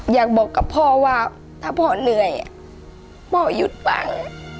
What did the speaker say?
อยากบอกกับพ่อว่าถ้าพ่อเหนื่อยพ่อหยุดปัง